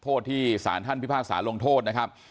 โทษที่สารท่านพิพากษาลงโทษนะครับ